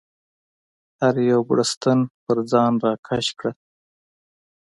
هر یو بړستن پر ځان راکش کړه.